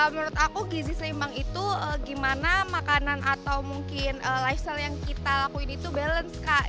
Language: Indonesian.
menurut aku gizi seimbang itu gimana makanan atau mungkin lifestyle yang kita lakuin itu balance kak